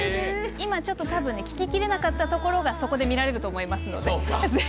今、ちょっとたぶん聞ききれなかったところが見れると思いますので。